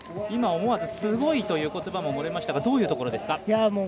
今思わずすごいということばももれましたがどういうところですか？